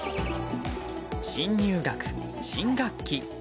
新入学、新学期。